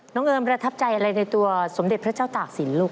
เอิมประทับใจอะไรในตัวสมเด็จพระเจ้าตากศิลปลูก